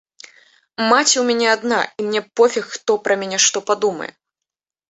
Маці ў мяне адна, і мне пофіг, хто пра мяне што падумае.